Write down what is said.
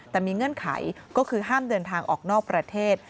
แต่มีเงื่อนไขก็คือห้ามเดินทางออกนอกประเทศ